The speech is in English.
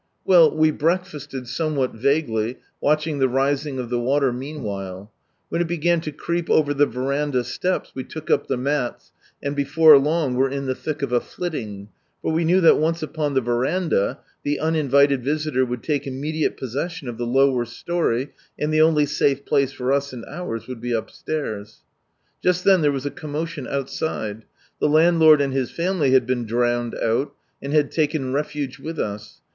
Well, we breakfasted somewhat vaguely, watching the rising of the water mean while. When it began to creep over the verandah steps, we took up the mats, and before long .were in the thick of a " flitting," for we knew that once upon the verandah, the uninvited visitor would take immediate possession of the lower storey, and the only safe place for us and ours would be upstairs. Just then there was a commotion outside. The landlord and his family had been drowned out, and had taken refuge with us.